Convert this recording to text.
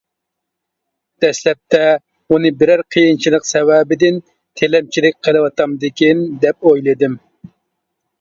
دەسلەپتە ئۇنى بىرەر قىيىنچىلىق سەۋەبىدىن تىلەمچىلىك قىلىۋاتامدىكىن دەپ ئويلىدىم.